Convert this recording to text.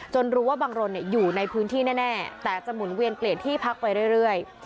รู้ว่าบังรนอยู่ในพื้นที่แน่แต่จะหมุนเวียนเปลี่ยนที่พักไปเรื่อย